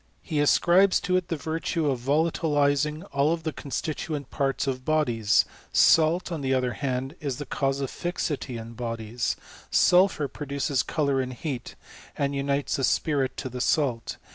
He ascribes to it the virtue of volatilizing all the constituent parts of iKKiies : salt, on the other hand, is the cause of fixity ia bodies; sulphur produces colour and heat, and ^ites the spirit to the salt.